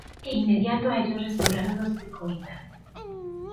E inmediato á ellos restauraron los Tecoitas;